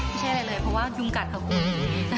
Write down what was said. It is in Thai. ไม่ใช่อะไรเลยเพราะว่ายุงกัดค่ะคุณ